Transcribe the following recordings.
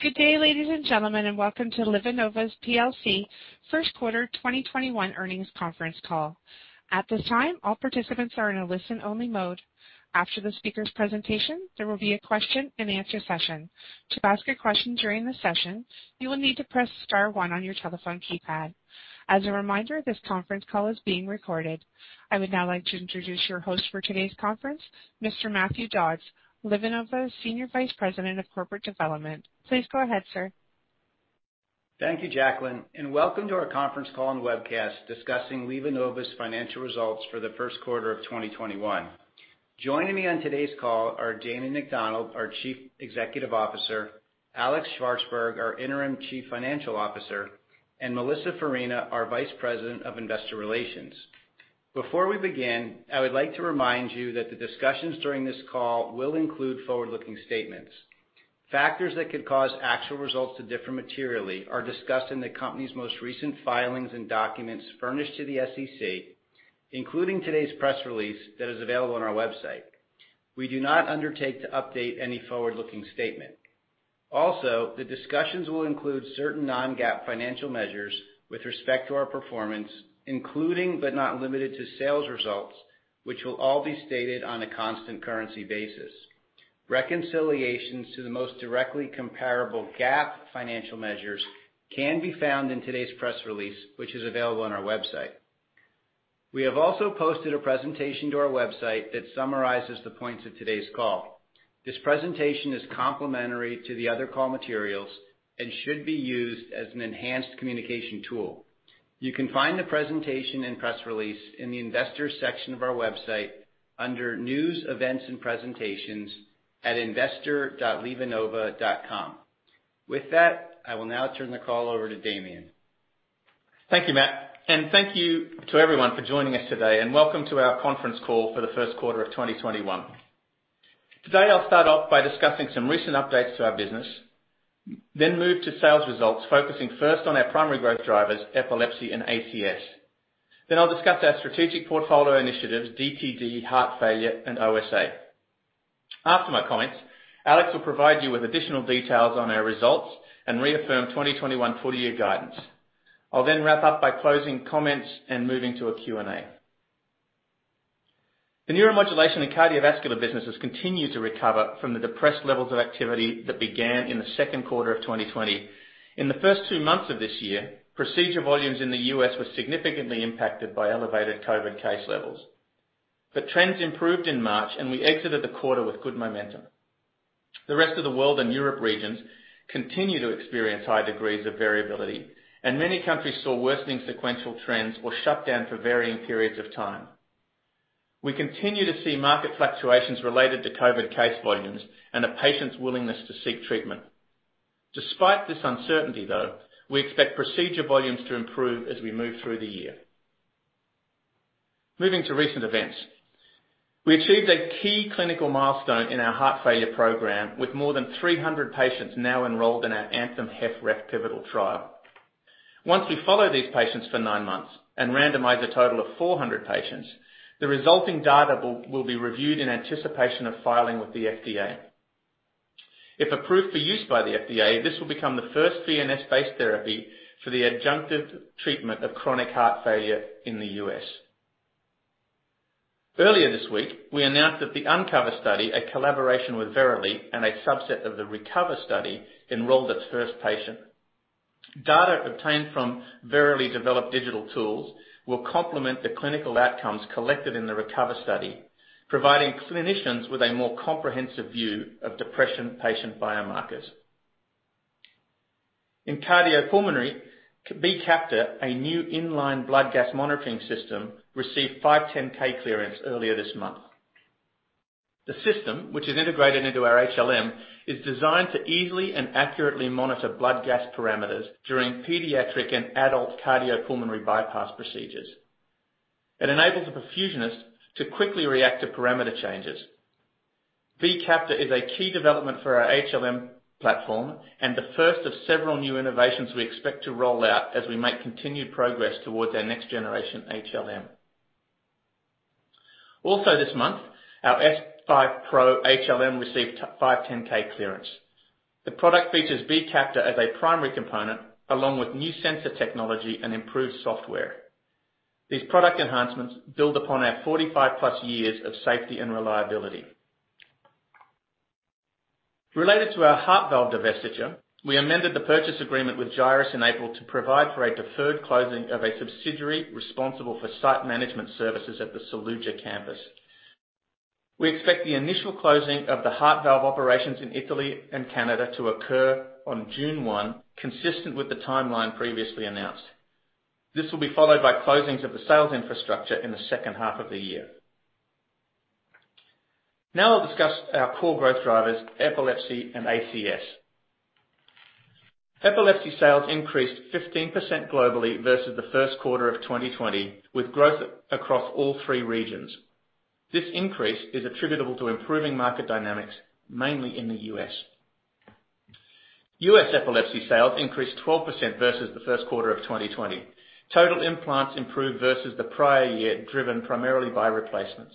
Good day, ladies and gentlemen, welcome to LivaNova PLC First Quarter 2021 Earnings Conference Call. At this time, all participants are in a listen-only mode. After the speaker's presentation, there will be a question-and-answer session. To ask a question during the session, you will need to press star one on your telephone keypad. As a reminder, this conference call is being recorded. I would now like to introduce your host for today's conference, Mr. Matthew Dodds, LivaNova's Senior Vice President of Corporate Development. Please go ahead, Sir. Thank you, Jacqueline, and welcome to our conference call and webcast discussing LivaNova's financial results for the first quarter of 2021. Joining me on today's call are Damien McDonald, our Chief Executive Officer, Alex Shvartsburg, our Interim Chief Financial Officer, and Melissa Farina, our Vice President of Investor Relations. Before we begin, I would like to remind you that the discussions during this call will include forward-looking statements. Factors that could cause actual results to differ materially are discussed in the company's most recent filings and documents furnished to the SEC, including today's press release that is available on our website. We do not undertake to update any forward-looking statement. Also, the discussions will include certain non-GAAP financial measures with respect to our performance, including but not limited to sales results, which will all be stated on a constant currency basis. Reconciliations to the most directly comparable GAAP financial measures can be found in today's press release, which is available on our website. We have also posted a presentation to our website that summarizes the points of today's call. This presentation is complementary to the other call materials and should be used as an enhanced communication tool. You can find the presentation and press release in the investors section of our website under News, Events and Presentations at investor.livanova.com. With that, I will now turn the call over to Damien. Thank you, Matt, and thank you to everyone for joining us today and welcome to our conference call for the first quarter of 2021. Today, I'll start off by discussing some recent updates to our business, then move to sales results, focusing first on our primary growth drivers, epilepsy and ACS. I'll discuss our strategic portfolio initiatives, DTD, heart failure, and OSA. After my comments, Alex will provide you with additional details on our results and reaffirm 2021 full year guidance. I'll then wrap up by closing comments and moving to a Q&A. The Neuromodulation and cardiovascular businesses continue to recover from the depressed levels of activity that began in the second quarter of 2020. In the first two months of this year, procedure volumes in the U.S. were significantly impacted by elevated COVID case levels. The trends improved in March, and we exited the quarter with good momentum. The rest of the world and Europe regions continue to experience high degrees of variability, many countries saw worsening sequential trends or shut down for varying periods of time. We continue to see market fluctuations related to COVID case volumes and a patient's willingness to seek treatment. Despite this uncertainty, though, we expect procedure volumes to improve as we move through the year. Moving to recent events. We achieved a key clinical milestone in our heart failure program with more than 300 patients now enrolled in our ANTHEM-HFrEF pivotal trial. Once we follow these patients for nine months and randomize a total of 400 patients, the resulting data will be reviewed in anticipation of filing with the FDA. If approved for use by the FDA, this will become the first VNS-based therapy for the adjunctive treatment of chronic heart failure in the U.S. Earlier this week, we announced that the UNCOVER study, a collaboration with Verily and a subset of the RECOVER study, enrolled its first patient. Data obtained from Verily-developed digital tools will complement the clinical outcomes collected in the RECOVER study, providing clinicians with a more comprehensive view of depression patient biomarkers. In cardiopulmonary, B-Capta, a new inline blood gas monitoring system, received 510(k) clearance earlier this month. The system, which is integrated into our HLM, is designed to easily and accurately monitor blood gas parameters during pediatric and adult cardiopulmonary bypass procedures. It enables a perfusionist to quickly react to parameter changes. B-Capta is a key development for our HLM platform and the first of several new innovations we expect to roll out as we make continued progress towards our next generation HLM. Also this month, our S5 PRO HLM received 510(k) clearance. The product features B-Capta as a primary component, along with new sensor technology and improved software. These product enhancements build upon our 45+ years of safety and reliability. Related to our heart valve divestiture, we amended the purchase agreement with Gyrus in April to provide for a deferred closing of a subsidiary responsible for site management services at the Saluggia campus. We expect the initial closing of the heart valve operations in Italy and Canada to occur on June 1, consistent with the timeline previously announced. This will be followed by closings of the sales infrastructure in the second half of the year. I'll discuss our core growth drivers, epilepsy and ACS. Epilepsy sales increased 15% globally versus the first quarter of 2020, with growth across all three regions. This increase is attributable to improving market dynamics, mainly in the U.S. U.S. epilepsy sales increased 12% versus the first quarter of 2020. Total implants improved versus the prior year, driven primarily by replacements.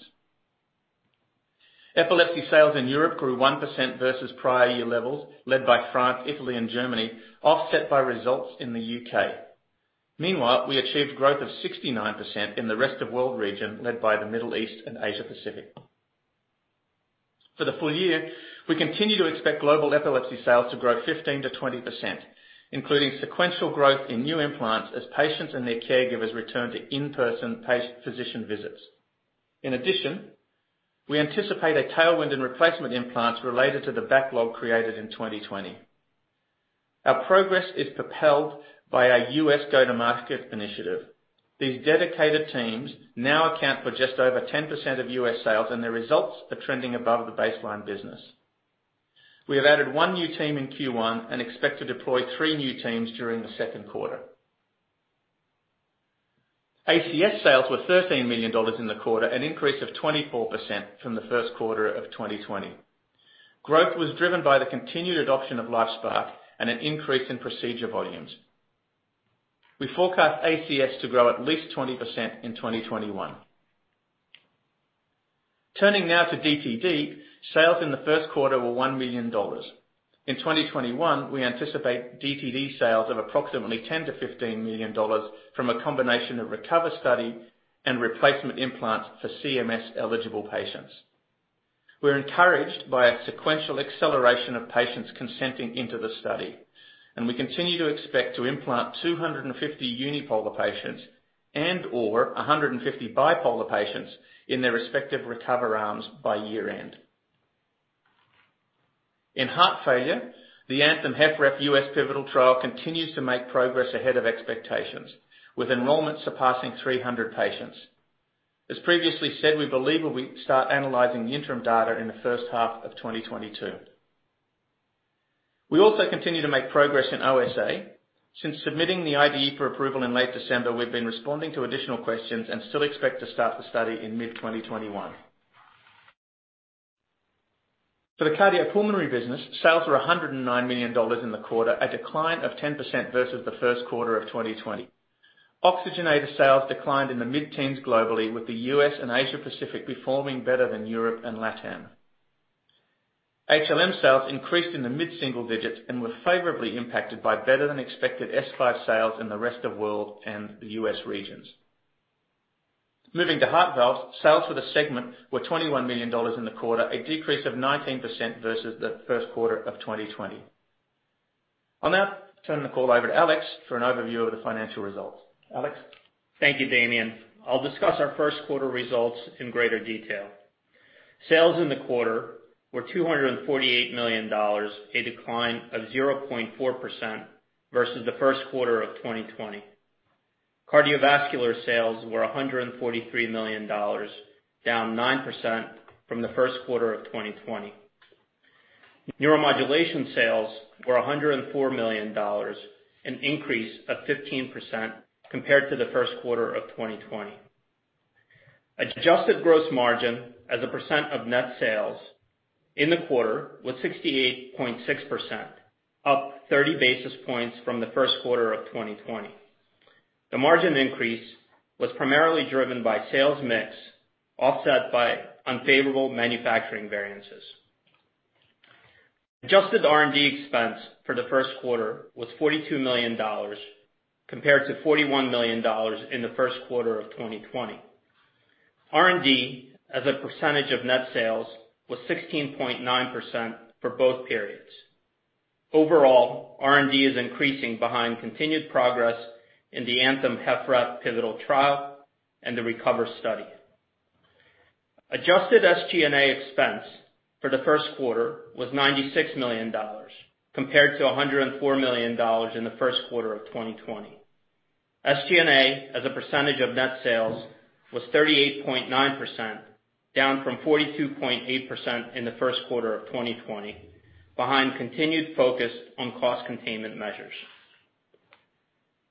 Epilepsy sales in Europe grew 1% versus prior year levels, led by France, Italy, and Germany, offset by results in the U.K. Meanwhile, we achieved growth of 69% in the rest of world region, led by the Middle East and Asia Pacific. For the full year, we continue to expect global epilepsy sales to grow 15%-20%, including sequential growth in new implants as patients and their caregivers return to in-person physician visits. In addition, we anticipate a tailwind in replacement implants related to the backlog created in 2020. Our progress is propelled by our U.S. go-to-market initiative. These dedicated teams now account for just over 10% of U.S. sales, and their results are trending above the baseline business. We have added one new team in Q1 and expect to deploy three new teams during the second quarter. ACS sales were $13 million in the quarter, an increase of 24% from the first quarter of 2020. Growth was driven by the continued adoption of LifeSPARC and an increase in procedure volumes. We forecast ACS to grow at least 20% in 2021. Turning now to DTD. Sales in the first quarter were $1 million. In 2021, we anticipate DTD sales of approximately $10 million-$15 million from a combination of RECOVER study and replacement implants for CMS-eligible patients. We are encouraged by a sequential acceleration of patients consenting into the study, and we continue to expect to implant 250 unipolar patients and/or 150 bipolar patients in their respective RECOVER arms by year-end. In heart failure, the ANTHEM-HFrEF U.S. pivotal trial continues to make progress ahead of expectations, with enrollment surpassing 300 patients. As previously said, we believe we start analyzing the interim data in the first half of 2022. We also continue to make progress in OSA. Since submitting the IDE for approval in late December, we've been responding to additional questions and still expect to start the study in mid-2021. For the cardiopulmonary business, sales were $109 million in the quarter, a decline of 10% versus the first quarter of 2020. Oxygenator sales declined in the mid-teens globally, with the U.S. and Asia Pacific performing better than Europe and LATAM. HLM sales increased in the mid-single digits and were favorably impacted by better-than-expected S5 sales in the rest of world and the U.S. regions. Moving to heart valves, sales for the segment were $21 million in the quarter, a decrease of 19% versus the first quarter of 2020. I'll now turn the call over to Alex for an overview of the financial results. Alex? Thank you, Damien. I'll discuss our first quarter results in greater detail. Sales in the quarter were $248 million, a decline of 0.4% versus the first quarter of 2020. Cardiovascular sales were $143 million, down 9% from the first quarter of 2020. Neuromodulation sales were $104 million, an increase of 15% compared to the first quarter of 2020. Adjusted gross margin as a percent of net sales in the quarter was 68.6%, up 30 basis points from the first quarter of 2020. The margin increase was primarily driven by sales mix, offset by unfavorable manufacturing variances. Adjusted R&D expense for the first quarter was $42 million, compared to $41 million in the first quarter of 2020. R&D as a percentage of net sales was 16.9% for both periods. Overall, R&D is increasing behind continued progress in the ANTHEM-HFrEF pivotal trial and the RECOVER study. Adjusted SG&A expense for the first quarter was $96 million, compared to $104 million in the first quarter of 2020. SG&A as a percentage of net sales was 38.9%, down from 42.8% in the first quarter of 2020, behind continued focus on cost containment measures.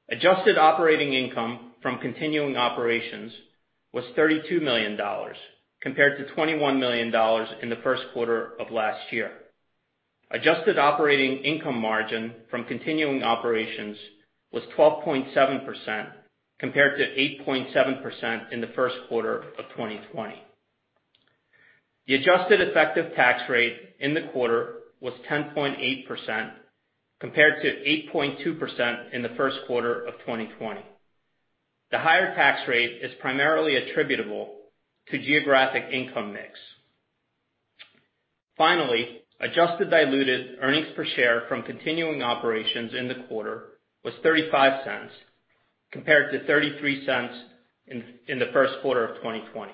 Adjusted operating income from continuing operations was $32 million, compared to $21 million in the first quarter of last year. Adjusted operating income margin from continuing operations was 12.7%, compared to 8.7% in the first quarter of 2020. The adjusted effective tax rate in the quarter was 10.8%, compared to 8.2% in the first quarter of 2020. The higher tax rate is primarily attributable to geographic income mix. Finally, adjusted diluted earnings per share from continuing operations in the quarter was $0.35, compared to $0.33 in the first quarter of 2020.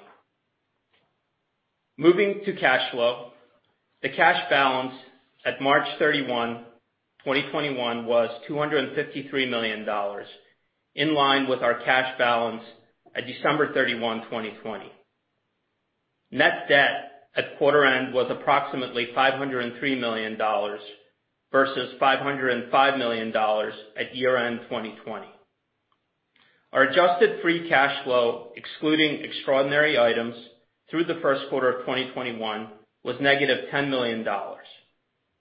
Moving to cash flow. The cash balance at March 31, 2021, was $253 million, in line with our cash balance at December 31, 2020. Net debt at quarter end was approximately $503 million versus $505 million at year-end 2020. Our adjusted free cash flow, excluding extraordinary items, through the first quarter of 2021 was negative $10 million.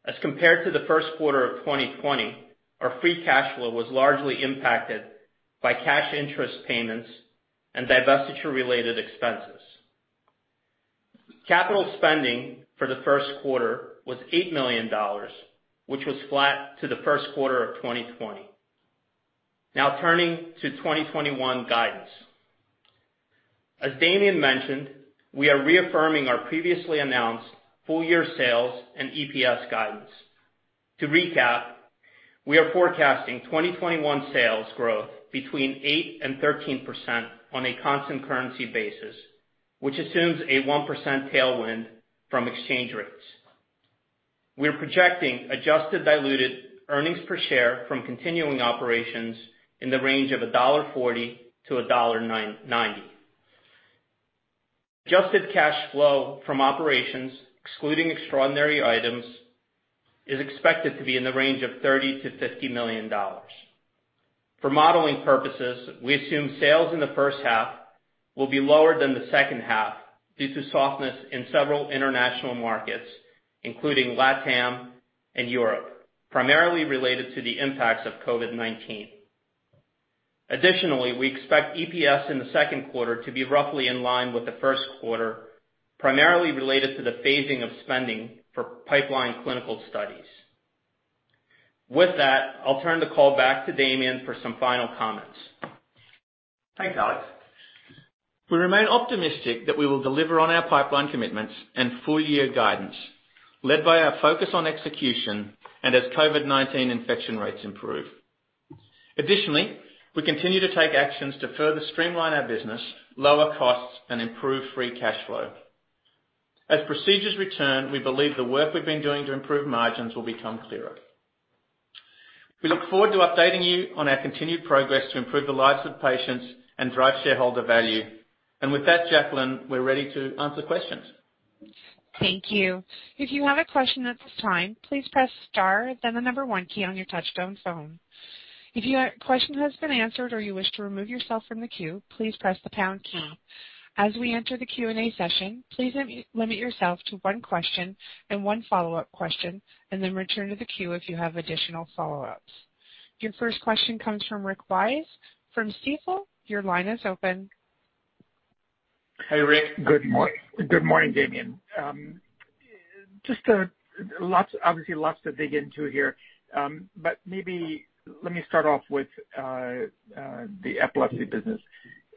As compared to the first quarter of 2020, our free cash flow was largely impacted by cash interest payments and divestiture related expenses. Capital spending for the first quarter was $8 million, which was flat to the first quarter of 2020. Now turning to 2021 guidance. As Damien mentioned, we are reaffirming our previously announced full year sales and EPS guidance. To recap, we are forecasting 2021 sales growth between 8% and 13% on a constant currency basis, which assumes a 1% tailwind from exchange rates. We're projecting adjusted diluted earnings per share from continuing operations in the range of $1.40-$1.90. Adjusted cash flow from operations, excluding extraordinary items, is expected to be in the range of $30 million-$50 million. For modeling purposes, we assume sales in the first half will be lower than the second half due to softness in several international markets, including LATAM and Europe, primarily related to the impacts of COVID-19. Additionally, we expect EPS in the second quarter to be roughly in line with the first quarter, primarily related to the phasing of spending for pipeline clinical studies. With that, I'll turn the call back to Damien for some final comments. Thanks, Alex. We remain optimistic that we will deliver on our pipeline commitments and full year guidance, led by our focus on execution and as COVID-19 infection rates improve. Additionally, we continue to take actions to further streamline our business, lower costs, and improve free cash flow. As procedures return, we believe the work we've been doing to improve margins will become clearer. We look forward to updating you on our continued progress to improve the lives of patients and drive shareholder value. With that, Jacqueline, we're ready to answer questions. Thank you. If you have a question at this time, please press star then the number one key on your touchtone phone. If your question has been answered, or you wish to remove yourself from the queue, please press the pound key. As we enter the Q&A session, please limit yourself to one question and one follow-up question, and then return to the queue if you have additional follow-ups. Your first question comes from Rick Wise from Stifel. Your line is open. Hi, Rick. Good morning, Damien. Obviously lots to dig into here. Maybe let me start off with the epilepsy business.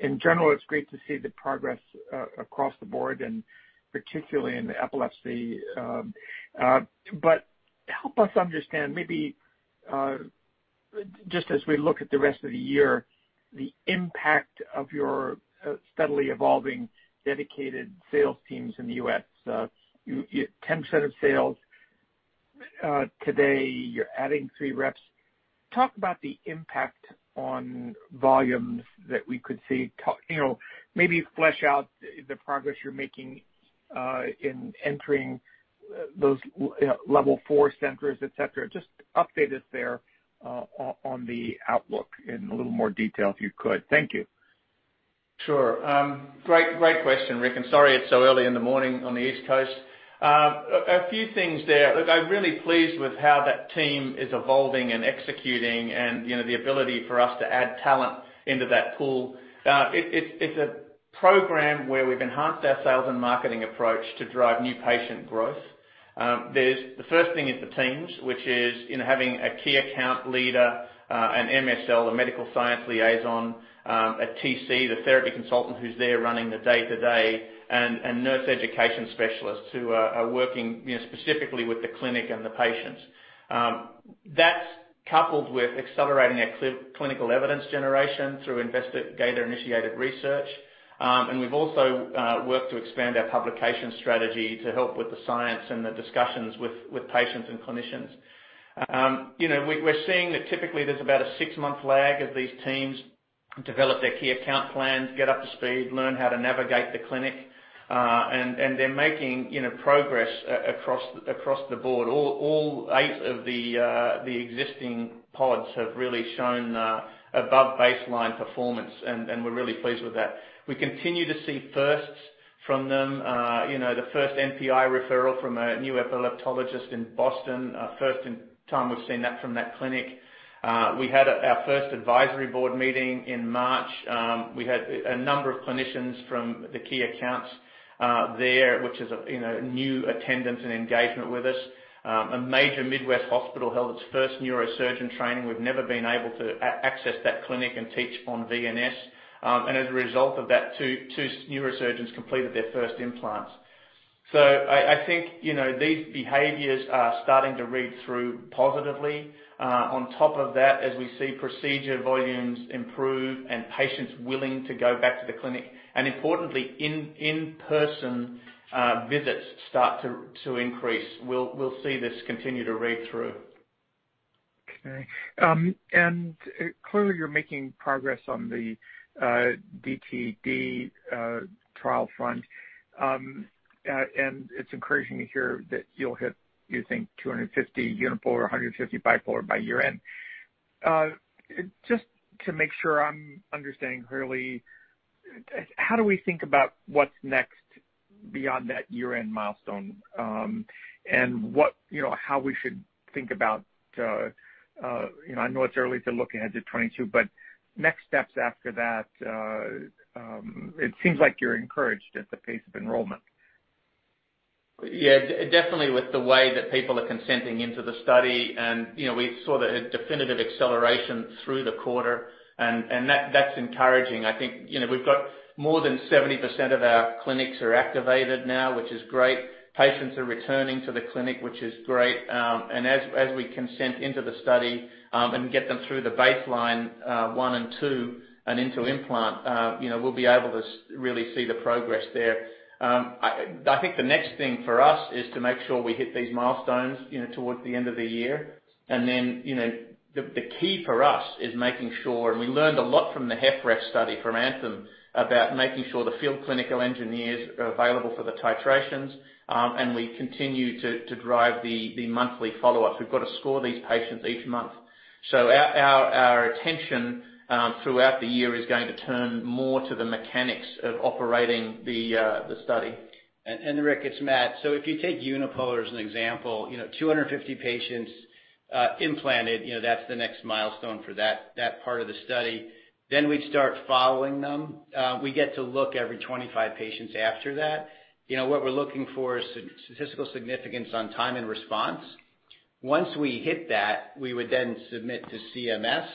In general, it's great to see the progress across the board and particularly in the epilepsy. Help us understand maybe, just as we look at the rest of the year, the impact of your steadily evolving dedicated sales teams in the U.S. You had 10 set of sales. Today, you're adding three reps. Talk about the impact on volumes that we could see. Maybe flesh out the progress you're making in entering those Level 4 centers, et cetera. Just update us there on the outlook in a little more detail, if you could. Thank you. Sure. Great question, Rick, and sorry it's so early in the morning on the East Coast. A few things there. Look, I'm really pleased with how that team is evolving and executing and the ability for us to add talent into that pool. It's a program where we've enhanced our sales and marketing approach to drive new patient growth. The first thing is the teams, which is having a key account leader, an MSL, a medical science liaison, a TC, the therapy consultant who's there running the day-to-day, and nurse education specialists who are working specifically with the clinic and the patients. That's coupled with accelerating our clinical evidence generation through investigator-initiated research. We've also worked to expand our publication strategy to help with the science and the discussions with patients and clinicians. We're seeing that typically there's about a six-month lag as these teams develop their key account plans, get up to speed, learn how to navigate the clinic. They're making progress across the board. All eight of the existing pods have really shown above baseline performance, and we're really pleased with that. We continue to see firsts from them. The first NPI referral from a new epileptologist in Boston. First time we've seen that from that clinic. We had our first advisory board meeting in March. We had a number of clinicians from the key accounts there, which is a new attendance and engagement with us. A major Midwest hospital held its first neurosurgeon training. We've never been able to access that clinic and teach on VNS. As a result of that, two neurosurgeons completed their first implants. I think these behaviors are starting to read through positively. On top of that, as we see procedure volumes improve and patients willing to go back to the clinic, and importantly, in-person visits start to increase. We'll see this continue to read through. Okay. Clearly, you're making progress on the DTD trial front. It's encouraging to hear that you'll hit, you think, 250 unipolar or 150 bipolar by year-end. Just to make sure I'm understanding clearly, how do we think about what's next beyond that year-end milestone? How we should think about, I know it's early to look ahead to 2022, but next steps after that. It seems like you're encouraged at the pace of enrollment. Yeah. Definitely with the way that people are consenting into the study, and we saw the definitive acceleration through the quarter, and that's encouraging. I think we've got more than 70% of our clinics are activated now, which is great. Patients are returning to the clinic, which is great. As we consent into the study, and get them through the baseline one and two and into implant, we'll be able to really see the progress there. I think the next thing for us is to make sure we hit these milestones towards the end of the year. The key for us is making sure, and we learned a lot from the HFrEF study from ANTHEM about making sure the field clinical engineers are available for the titrations, and we continue to drive the monthly follow-ups. We've got to score these patients each month. Our attention throughout the year is going to turn more to the mechanics of operating the study. And Rick, it's Matt. If you take Unipolar as an example, 250 patients implanted, that's the next milestone for that part of the study. We'd start following them. We get to look every 25 patients after that. What we're looking for is statistical significance on time and response. Once we hit that, we would then submit to CMS,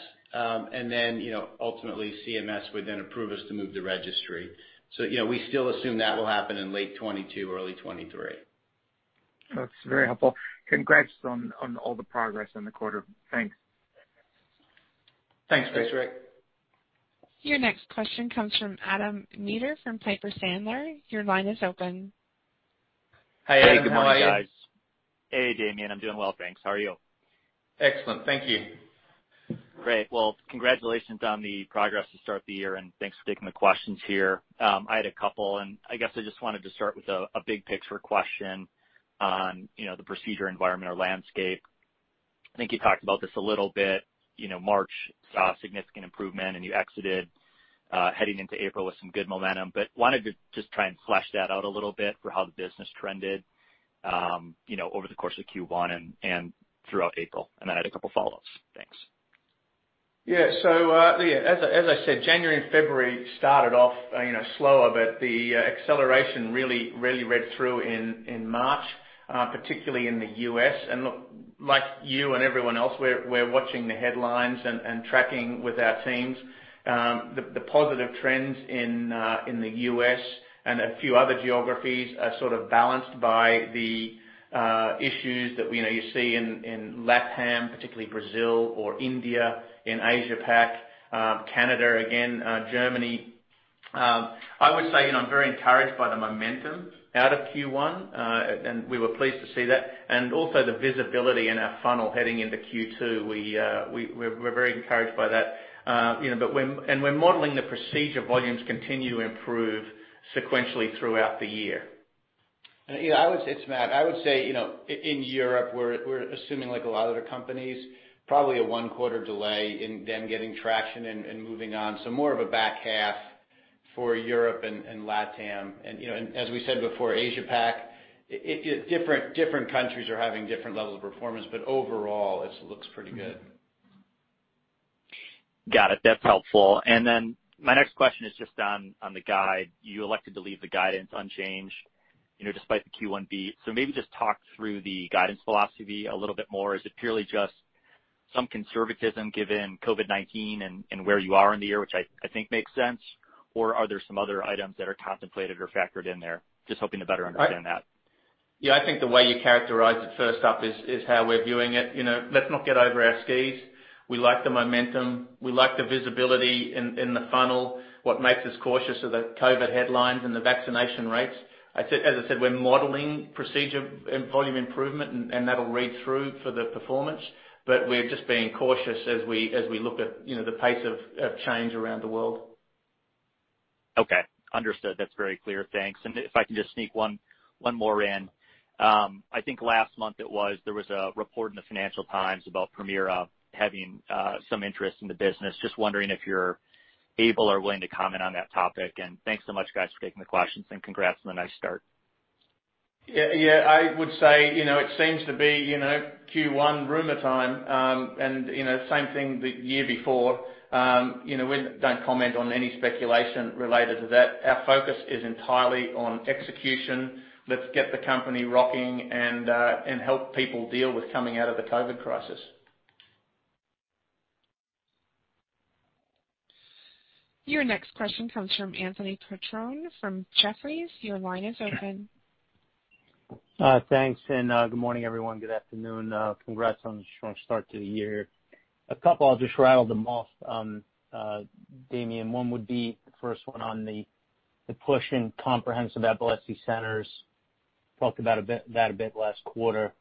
ultimately CMS would then approve us to move the registry. We still assume that will happen in late 2022, early 2023. That's very helpful. Congrats on all the progress in the quarter. Thanks. Thanks, Rick. Thanks. Your next question comes from Adam Maeder from Piper Sandler. Your line is open. Hi, Adam. How are you? Hey, good morning, guys. Hey, Damien. I'm doing well, thanks. How are you? Excellent. Thank you. Great. Well, congratulations on the progress to start the year, and thanks for taking the questions here. I had a couple, and I guess I just wanted to start with a big picture question on the procedure environment or landscape. I think you talked about this a little bit. March saw a significant improvement and you exited heading into April with some good momentum, but wanted to just try and flesh that out a little bit for how the business trended over the course of Q1 and throughout April, and then I had a couple of follow-ups. Thanks. As I said, January and February started off slower, but the acceleration really read through in March, particularly in the U.S. Look, like you and everyone else, we're watching the headlines and tracking with our teams. The positive trends in the U.S. and a few other geographies are sort of balanced by the issues that you see in LATAM, particularly Brazil or India, in Asia-Pac, Canada again, Germany. I would say I'm very encouraged by the momentum out of Q1, and we were pleased to see that. Also the visibility in our funnel heading into Q2. We're very encouraged by that. We're modeling the procedure volumes continue to improve sequentially throughout the year. It's Matt. I would say, in Europe, we're assuming like a lot of other companies, probably a one-quarter delay in them getting traction and moving on. More of a back half for Europe and LATAM. As we said before, Asia-Pac, different countries are having different levels of performance, but overall, it looks pretty good. Got it. That's helpful. My next question is just on the guide. You elected to leave the guidance unchanged despite the Q1 beat. Maybe just talk through the guidance philosophy a little bit more. Is it purely just some conservatism given COVID-19 and where you are in the year, which I think makes sense, or are there some other items that are contemplated or factored in there? Just hoping to better understand that. Yeah, I think the way you characterized it first up is how we're viewing it. Let's not get over our skis. We like the momentum. We like the visibility in the funnel. What makes us cautious are the COVID headlines and the vaccination rates. As I said, we're modeling procedure volume improvement, and that'll read through for the performance, but we're just being cautious as we look at the pace of change around the world. Okay. Understood. That's very clear. Thanks. If I can just sneak one more in. I think last month it was, there was a report in the Financial Times about Permira having some interest in the business. Just wondering if you're able or willing to comment on that topic. Thanks so much, guys, for taking the questions, and congrats on the nice start. I would say, it seems to be Q1 rumor time, and same thing the year before. We don't comment on any speculation related to that. Our focus is entirely on execution. Let's get the company rocking and help people deal with coming out of the COVID crisis. Your next question comes from Anthony Petrone from Jefferies. Your line is open. Thanks, good morning, everyone. Good afternoon. Congrats on the strong start to the year. A couple, I'll just rattle them off, Damien. One would be the first one on the push in Comprehensive Epilepsy Centers. Talked about that a bit last quarter.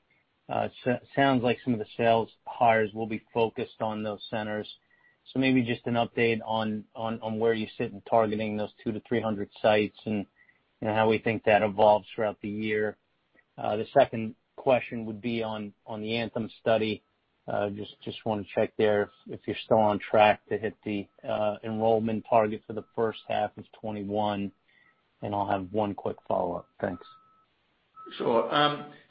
Sounds like some of the sales hires will be focused on those centers. Maybe just an update on where you sit in targeting those 200-300 sites, and how we think that evolves throughout the year. The second question would be on the ANTHEM study. Just want to check there if you're still on track to hit the enrollment target for the first half of 2021, and I'll have one quick follow-up. Thanks.. Sure.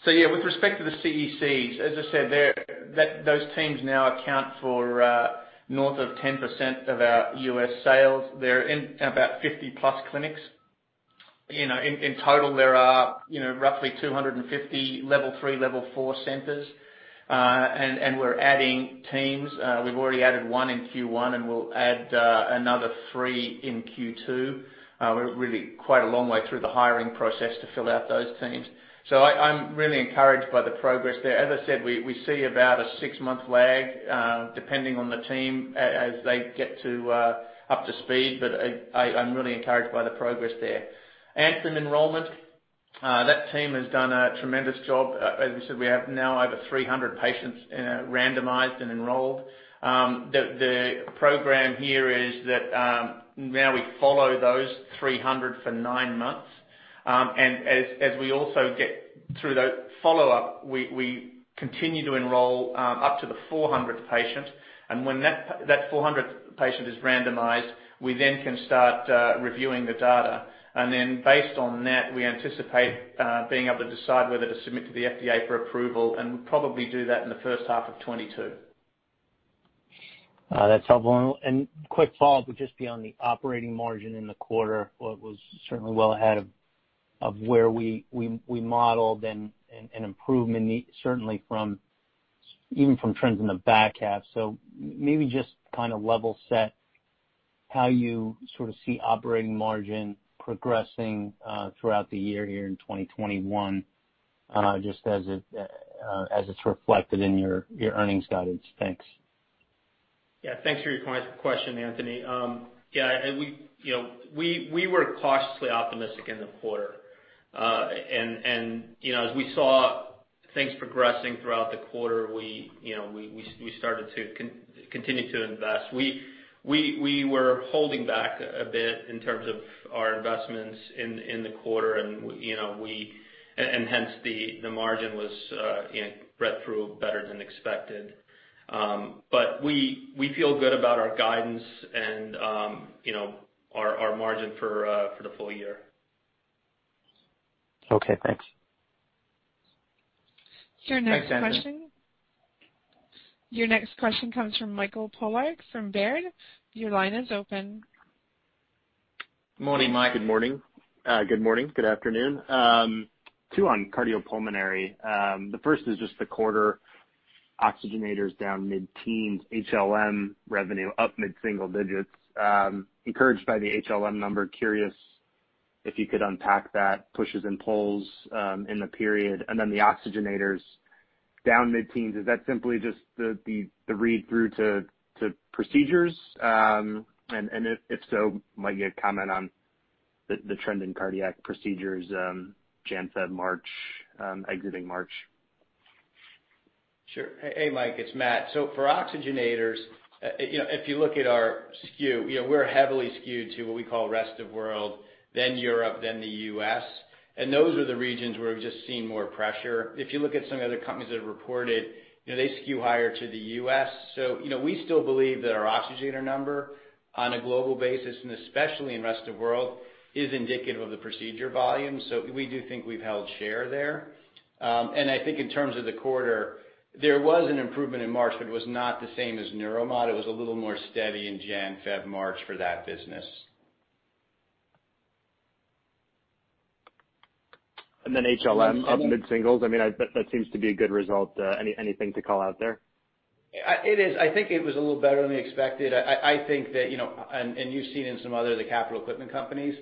Yeah, with respect to the CECs, as I said, those teams now account for north of 10% of our U.S. sales. They're in about 50+ clinics. In total, there are roughly 250 Level 3, Level 4 centers. We're adding teams. We've already added one in Q1, we'll add another three in Q2. We're really quite a long way through the hiring process to fill out those teams. I'm really encouraged by the progress there. As I said, we see about a six-month lag, depending on the team, as they get up to speed. I'm really encouraged by the progress there. ANTHEM enrollment, that team has done a tremendous job. As we said, we have now over 300 patients randomized and enrolled. The program here is that now we follow those 300 for nine months. As we also get through the follow-up, we continue to enroll up to the 400th patient. When that 400th patient is randomized, we then can start reviewing the data. Based on that, we anticipate being able to decide whether to submit to the FDA for approval, and we'll probably do that in the first half of 2022. That's helpful. Quick follow-up would just be on the operating margin in the quarter. Well, it was certainly well ahead of where we modeled and an improvement certainly even from trends in the back half. Maybe just level set how you sort of see operating margin progressing throughout the year here in 2021, just as it's reflected in your earnings guidance. Thanks. Yeah. Thanks for your question, Anthony. We were cautiously optimistic in the quarter. As we saw things progressing throughout the quarter, we started to continue to invest. We were holding back a bit in terms of our investments in the quarter, and hence the margin was read through better than expected. We feel good about our guidance and our margin for the full year. Okay, thanks. Your next question- Thanks, Anthony. Your next question comes from Michael Polark from Baird. Your line is open. Morning, Mike. Good morning. Good afternoon. Two on cardiopulmonary. The first is just the quarter oxygenators down mid-teens, HLM revenue up mid-single digits. Encouraged by the HLM number, curious if you could unpack that, pushes and pulls in the period. Then the oxygenators down mid-teens, is that simply just the read-through to procedures? If so, might get a comment on the trend in cardiac procedures, January, February, March, exiting March. Sure. Hey, Mike, it's Matt. For oxygenators, if you look at our skew, we're heavily skewed to what we call rest of world, then Europe, then the U.S. Those are the regions where we've just seen more pressure. If you look at some of the other companies that have reported, they skew higher to the U.S. We still believe that our oxygenator number on a global basis, and especially in rest of world, is indicative of the procedure volume. We do think we've held share there. I think in terms of the quarter, there was an improvement in March, but it was not the same as Neuromod. It was a little more steady in Jan, Feb, March for that business. HLM up mid-singles. That seems to be a good result. Anything to call out there? It is. I think it was a little better than we expected. I think that, you've seen in some other of the capital equipment companies,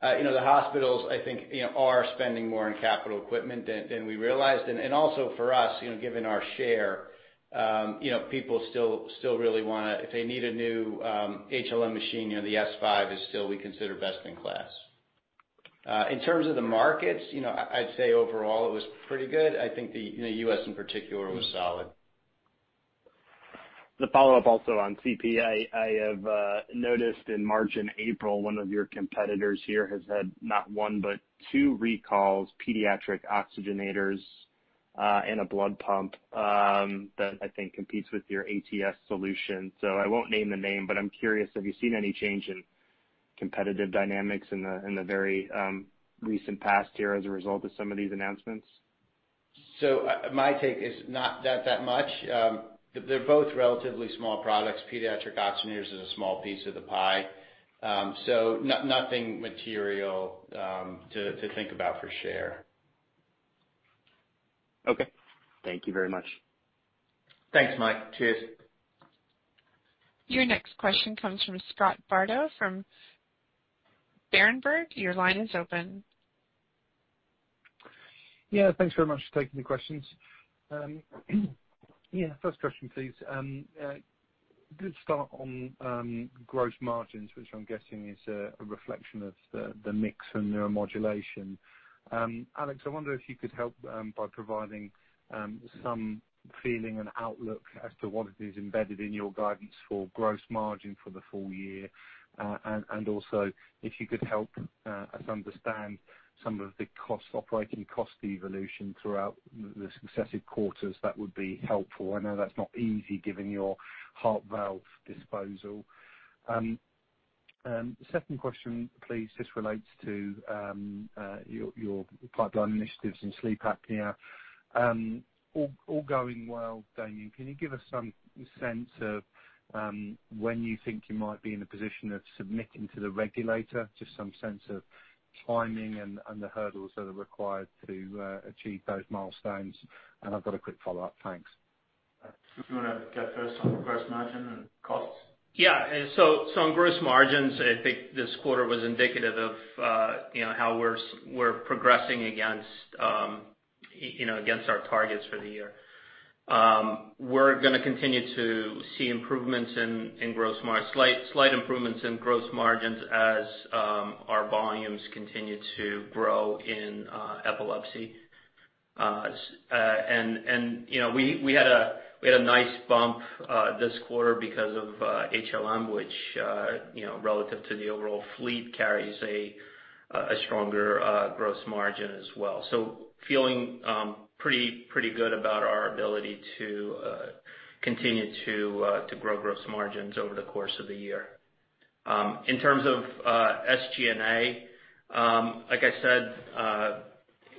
the hospitals, I think, are spending more on capital equipment than we realized. Also for us, given our share, people still really want to, if they need a new HLM machine, the S5 is still we consider best in class. In terms of the markets, I'd say overall it was pretty good. I think the U.S. in particular was solid. The follow-up also on CP. I have noticed in March and April, one of your competitors here has had not one, but two recalls, pediatric oxygenators, and a blood pump, that I think competes with your ATS solution. I won't name the name, but I'm curious, have you seen any change in competitive dynamics in the very recent past here as a result of some of these announcements? My take is not that much. They're both relatively small products. Pediatric oxygenators is a small piece of the pie. Nothing material to think about for share. Okay. Thank you very much. Thanks, Mike. Cheers. Your next question comes from Scott Bardo from Berenberg. Your line is open. Yeah, thanks very much for taking the questions. Yeah, first question, please. Good start on gross margins, which I'm guessing is a reflection of the mix and Neuromodulation. Alex, I wonder if you could help by providing some feeling and outlook as to what is embedded in your guidance for gross margin for the full year. And also if you could help us understand some of the operating cost evolution throughout the successive quarters, that would be helpful. I know that's not easy, given your Heart Valve disposal. Second question, please. This relates to your pipeline initiatives in sleep apnea. All going well, Damien, can you give us some sense of when you think you might be in a position of submitting to the regulator? Just some sense of timing and the hurdles that are required to achieve those milestones. I've got a quick follow-up. Thank. Do you want to go first on gross margin and costs? Yeah. On gross margins, I think this quarter was indicative of how we're progressing against our targets for the year. We're going to continue to see slight improvements in gross margins as our volumes continue to grow in epilepsy. We had a nice bump this quarter because of HLM, which, relative to the overall fleet, carries a stronger gross margin as well. Feeling pretty good about our ability to continue to grow gross margins over the course of the year. In terms of SG&A, like I said,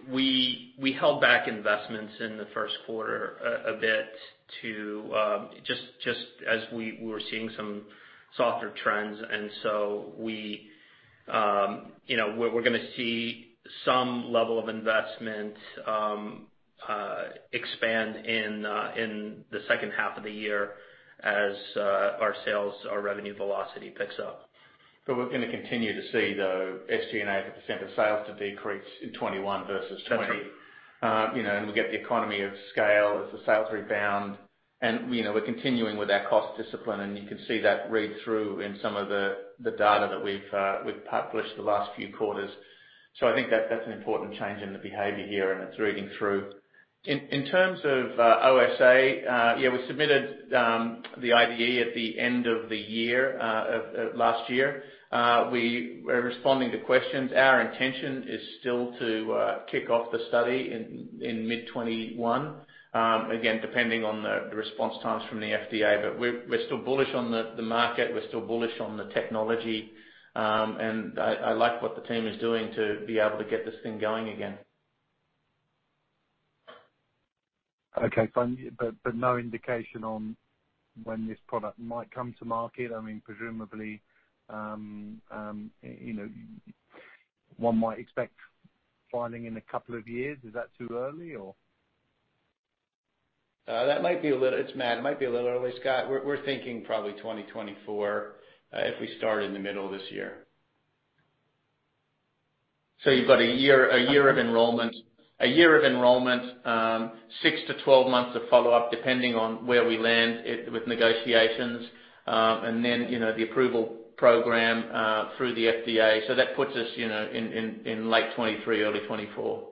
we held back investments in the first quarter a bit as we were seeing some softer trends. We're going to see some level of investment expand in the second half of the year as our revenue velocity picks up. We're going to continue to see, though, SG&A as a percent of sales to decrease in 2021 versus 2020. That's right. We get the economy of scale as the sales rebound. We're continuing with our cost discipline, and you can see that read through in some of the data that we've published the last few quarters. I think that's an important change in the behavior here, and it's reading through. In terms of OSA, yeah, we submitted the IDE at the end of last year. We are responding to questions. Our intention is still to kick off the study in mid-2021, again, depending on the response times from the FDA. We're still bullish on the market, we're still bullish on the technology. I like what the team is doing to be able to get this thing going again. Okay. No indication on when this product might come to market? Presumably, one might expect filing in a couple of years. Is that too early, or? It's Matt. It might be a little early, Scott. We're thinking probably 2024, if we start in the middle of this year. You've got a year of enrollment. A year of enrollment, 6-12 months of follow-up, depending on where we land with negotiations. Then the approval program through the FDA. That puts us in late 2023, early 2024.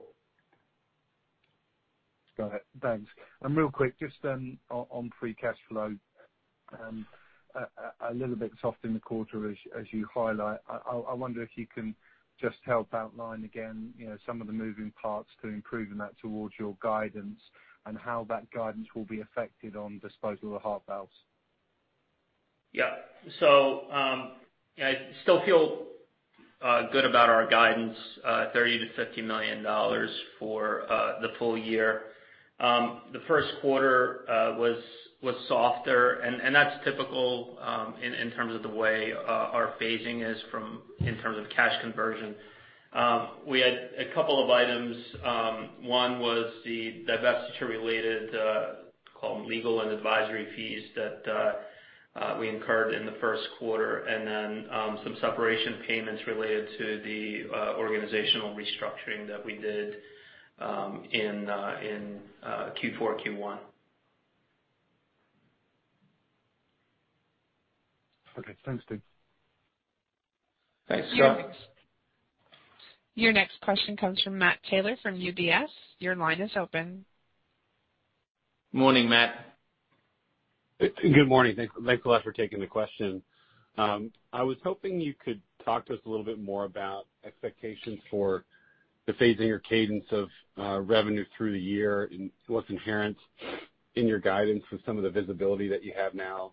Got it. Thanks. Real quick, just on free cash flow. A little bit soft in the quarter as you highlight. I wonder if you can just help outline again some of the moving parts to improving that towards your guidance, and how that guidance will be affected on disposal of heart valves. Yeah. I still feel good about our guidance, $30 million-$50 million for the full year. The first quarter was softer, that's typical in terms of the way our phasing is in terms of cash conversion. We had a couple of items. One was the divestiture-related, call them legal and advisory fees that we incurred in the first quarter. Some separation payments related to the organizational restructuring that we did in Q4, Q1. Okay. Thanks, Team. Thanks, Scott. Thanks. Your next question comes from Matt Taylor from UBS. Your line is open. Morning, Matt. Good morning. Thanks a lot for taking the question. I was hoping you could talk to us a little bit more about expectations for the phasing or cadence of revenue through the year and what's inherent in your guidance with some of the visibility that you have now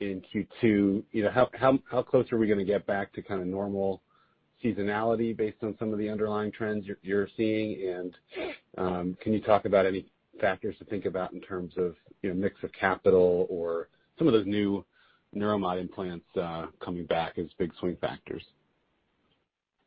in Q2. How close are we going to get back to kind of normal seasonality based on some of the underlying trends you're seeing, and can you talk about any factors to think about in terms of mix of capital or some of those new neuromod implants coming back as big swing factors?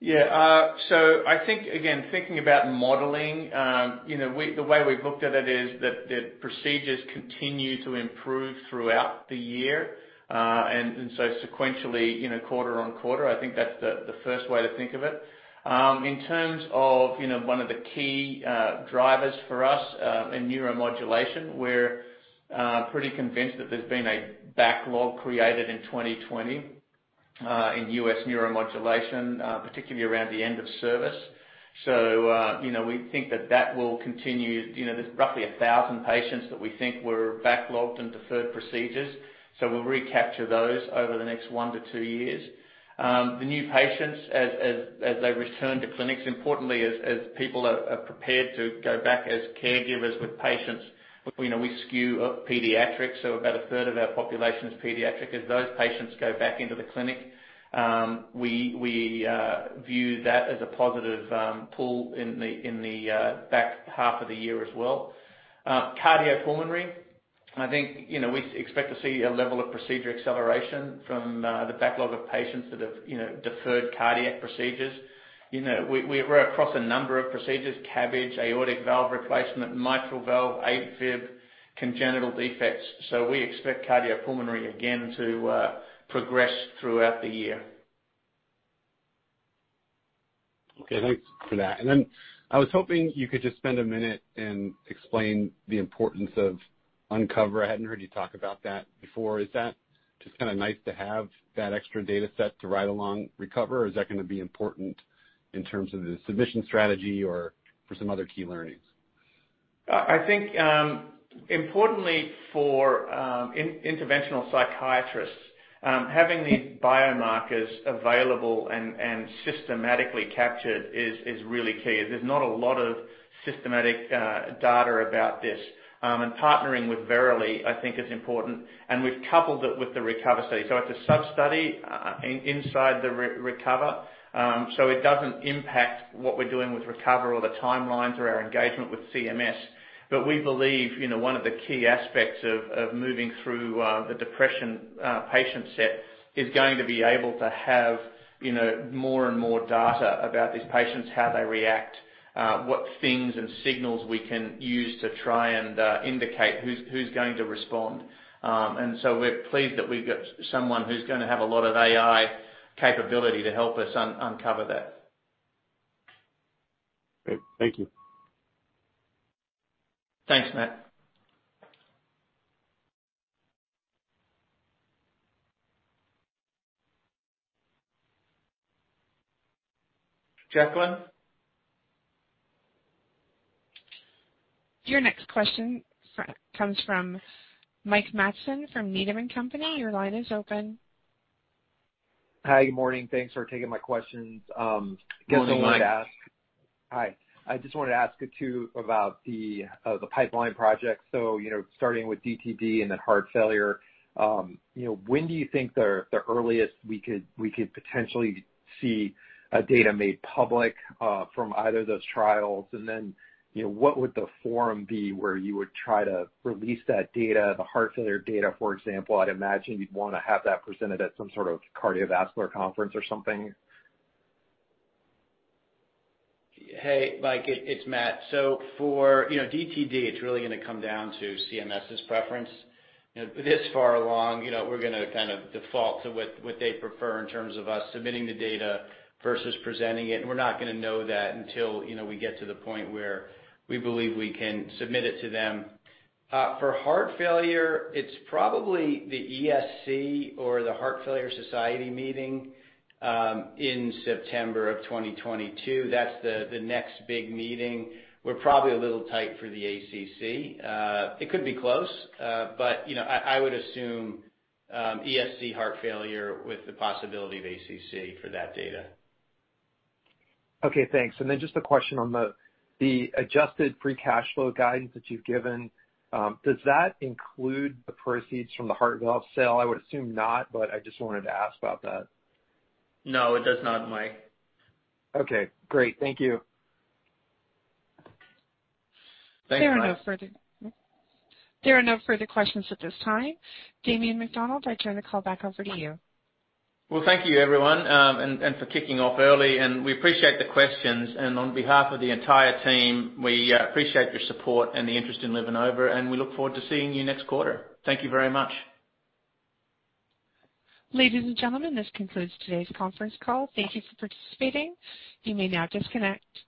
I think, again, thinking about modeling, the way we've looked at it is that procedures continue to improve throughout the year. Sequentially, quarter-on-quarter, I think that's the first way to think of it. In terms of one of the key drivers for us in Neuromodulation, we're pretty convinced that there's been a backlog created in 2020 in U.S. Neuromodulation, particularly around the end of service. We think that that will continue. There's roughly 1,000 patients that we think were backlogged in deferred procedures, so we'll recapture those over the next one-two years. The new patients, as they return to clinics, importantly, as people are prepared to go back as caregivers with patients. We skew pediatrics, so about a third of our population is pediatric. As those patients go back into the clinic, we view that as a positive pull in the back half of the year as well. Cardiopulmonary, I think we expect to see a level of procedure acceleration from the backlog of patients that have deferred cardiac procedures. We're across a number of procedures, CABG, aortic valve replacement, mitral valve, AFib, congenital defects. We expect cardiopulmonary again, to progress throughout the year. Okay. Thanks for that. I was hoping you could just spend a minute and explain the importance of UNCOVER. I hadn't heard you talk about that before. Is that just kind of nice to have that extra data set to ride along RECOVER, or is that going to be important in terms of the submission strategy or for some other key learnings? I think, importantly, for interventional psychiatrists, having these biomarkers available and systematically captured is really key. There's not a lot of systematic data about this. Partnering with Verily, I think is important, and we've coupled it with the RECOVER study. It's a sub-study inside the RECOVER, so it doesn't impact what we're doing with RECOVER or the timelines or our engagement with CMS. But we believe, one of the key aspects of moving through the depression patient set is going to be able to have more and more data about these patients, how they react, what things and signals we can use to try and indicate who's going to respond. We're pleased that we've got someone who's going to have a lot of AI capability to help us uncover that. Great. Thank you. Thanks, Matt. Jacqueline? Your next question comes from Mike Matson from Needham & Company. Your line is open. Hi. Good morning. Thanks for taking my questions. Morning, Mike. Hi. I just wanted to ask you two about the pipeline project. Starting with DTD and then heart failure. When do you think the earliest we could potentially see data made public from either of those trials? What would the forum be where you would try to release that data? The heart failure data, for example, I'd imagine you'd want to have that presented at some sort of cardiovascular conference or something. Hey, Mike, it's Matt. For DTD, it's really going to come down to CMS's preference. This far along, we're going to kind of default to what they prefer in terms of us submitting the data versus presenting it, and we're not going to know that until we get to the point where we believe we can submit it to them. For heart failure, it's probably the ESC or the Heart Failure Society meeting in September 2022. That's the next big meeting. We're probably a little tight for the ACC. It could be close. I would assume ESC heart failure with the possibility of ACC for that data. Okay, thanks. Just a question on the adjusted free cash flow guidance that you've given. Does that include the proceeds from the heart valve sale? I would assume not, but I just wanted to ask about that. No, it does not, Mike. Okay, great. Thank you. Thanks, Mike. There are no further questions at this time. Damien McDonald, I turn the call back over to you. Well, thank you everyone, and for kicking off early, and we appreciate the questions. On behalf of the entire team, we appreciate your support and the interest in LivaNova, and we look forward to seeing you next quarter. Thank you very much. Ladies and gentlemen, this concludes today's conference call. Thank you for participating. You may now disconnect.